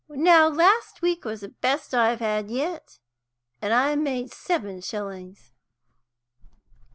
Now, last week was the best I've had yet, and I made seven shillings."